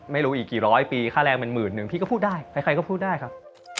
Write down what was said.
ไม่รู้อีกกี่ร้อยปีค่าแรงเป็นหมื่นหนึ่งพี่ก็พูดได้ใครก็พูดได้ครับ